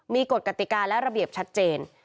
มีกฎกติกาและระเบียบชัดเจน